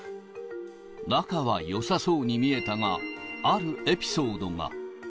仲はよさそうに見えたが、あるエピソードが。